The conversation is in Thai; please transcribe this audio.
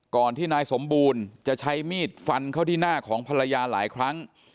ก่อนที่นายสมบูรณ์จะใช้มีดฟันเข้าที่หน้าของภรรยาหลายครั้ง